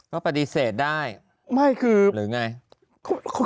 ก็ปฎิเสธได้หรือไงพอไม่คือ